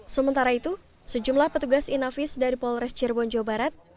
sementara itu sejumlah petugas inavis dari polres cirebon jawa barat